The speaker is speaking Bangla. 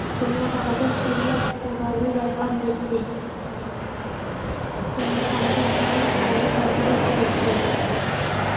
তুমি আজ আমাদের ছুরি আর কুড়ালের ব্যবহার দেখবে।